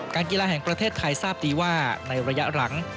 กีฬาแห่งประเทศไทยทราบดีว่าในระยะหลัง